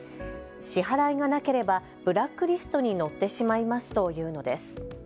支払いがなければブラックリストに載ってしまいますと言うのです。